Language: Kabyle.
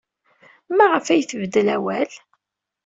Maɣef ay tbeddel awal?